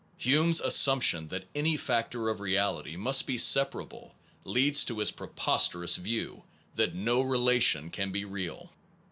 Hume s as sumption that any factor of reality must be separable, leads to his preposterous view, that no relation can be real.